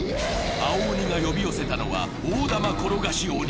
青鬼が呼び寄せたのは大玉転がし鬼。